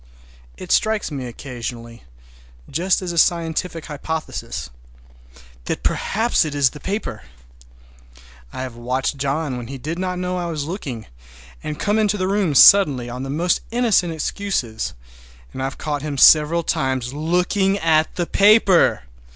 It strikes me occasionally, just as a scientific hypothesis, that perhaps it is the paper! I have watched John when he did not know I was looking, and come into the room suddenly on the most innocent excuses, and I've caught him several times looking at the paper!